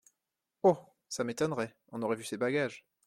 Oh ! ça m’étonnerait, on aurait vu ses bagages.